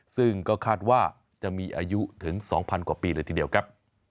ซึ่งก็คาดว่าจะมีอายุถึง๒๐๐กว่าปีเลยทีเดียวครับ